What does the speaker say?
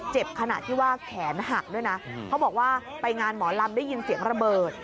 ขณะที่ว่าแขนหักด้วยนะเขาบอกว่าไปงานหมอลำได้ยินเสียงระเบิด